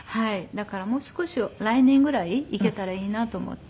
だからもう少し来年ぐらい行けたらいいなと思って。